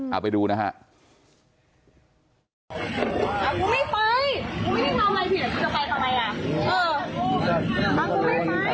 เอาไปดูนะฮะ